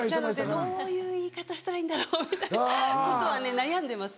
どういう言い方したらいいんだろうみたいなことはね悩んでますね。